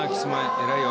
偉いよ。